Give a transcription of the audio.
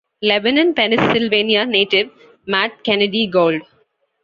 Lebanon, Pennsylvania native Matt Kennedy Gould.